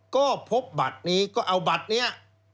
ก็พบบัตรนี้ก็เอาบัตรนี้